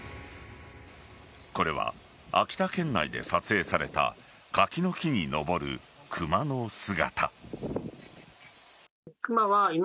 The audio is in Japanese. これは秋田県内で撮影された柿の木に登るクマの姿。